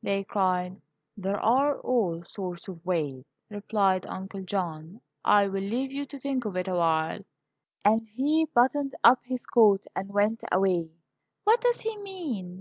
they cried. "There are all sorts of ways," replied Uncle John. "I will leave you to think of it awhile," and he buttoned up his coat and went away. "What does he mean?"